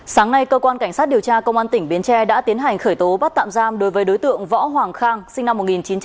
sáng nay cơ quan cảnh sát điều tra công an tỉnh bến tre đã tiến hành khởi tố bắt tạm giam đối với đối tượng võ hoàng khang sinh năm một nghìn chín trăm tám mươi